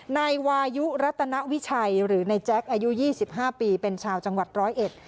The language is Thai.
นายวายุรัตนวิชัยหรือในแจ๊คอายุยี่สิบห้าปีเป็นชาวจังหวัดร้อยเอ็ด